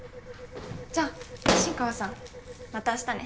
じゃあ新川さんまた明日ね。